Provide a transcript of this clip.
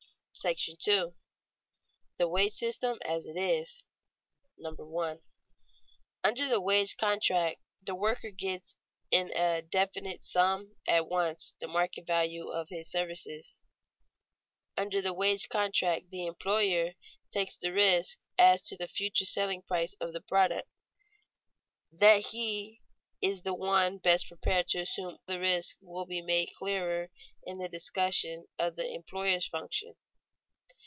§ II. THE WAGE SYSTEM AS IT IS [Sidenote: Merits and faults of the definite wage payment] 1. Under the wage contract the worker gets in a definite sum at once the market value of his services. Under the wage contract the employer takes the risk as to the future selling price of the product. That he is the one best prepared to assume the risk will be made clearer in the discussion of the employer's function.